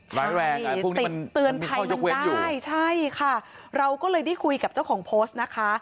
ร้ายแรงติดเตือนภัยมันได้ใช่ค่ะเราก็เลยได้คุยกับเจ้าของโพสต์นะคะ